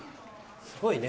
すごいね。